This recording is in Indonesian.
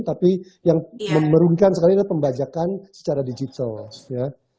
tapi yang memerungkan sekali itu pembajakan secara digital ya